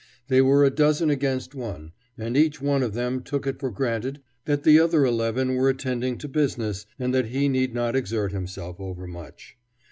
They were a dozen against one, and each one of them took it for granted that the other eleven were attending to business and that he need not exert himself overmuch.